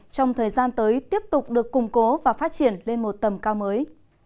đoàn tới tiếp tục được củng cố và phát triển lên một tầm cao mới